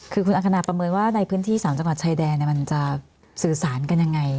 คือคุณอังคณาประเมินว่าในพื้นที่๓จังหวัดชายแดนมันจะสื่อสารกันยังไง